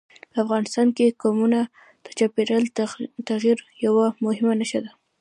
په افغانستان کې قومونه د چاپېریال د تغیر یوه مهمه نښه ده.